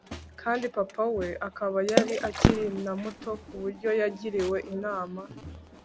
kandi papa we akaba yari akiri na muto kuburyo yagiriwe inama